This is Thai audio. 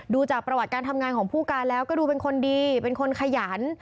ดูจากประวัติการทำงานของผู้การแล้วก็ดูเป็นคนดีเป็นคนขยัน